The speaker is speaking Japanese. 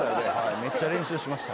めっちゃ練習しました。